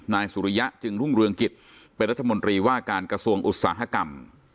นายสุริยะจึงรุ่งเรืองกิจเป็นรัฐมนตรีว่าการกระทรวงอุตสาหกรรม